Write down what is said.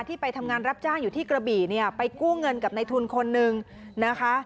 ไปทำงานรับจ้างอยู่ที่กระบี่เนี่ยไปกู้เงินกับในทุนคนนึงนะคะ